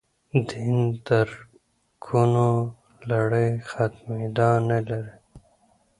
دین درکونو لړۍ ختمېدا نه لري.